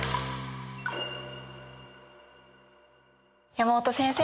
山本先生